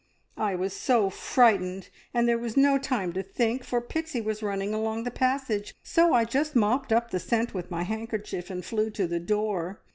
I was so frightened and there was no time to think, for Pixie was running along the passage, so I just mopped up the scent with my handkerchief, and flew to the door.